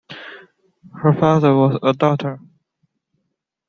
Her father was a doctor.